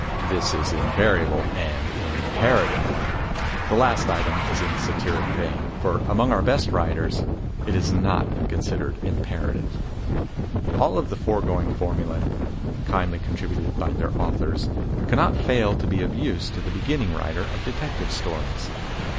(This is invariable and imperative!) The last item is in satiric vein, for among our best writers it is not considered imperative! All of the foregoing formulae, kindly contributed by their authors, cannot fail to be of use to the beginning writer of Detective Stories.